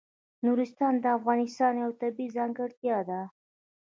نورستان د افغانستان یوه طبیعي ځانګړتیا ده.